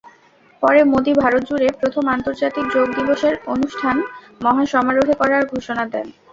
পরে মোদি ভারতজুড়ে প্রথম আন্তর্জাতিক যোগ দিবসের অনুষ্ঠান মহাসমারোহে করার ঘোষণা দেন।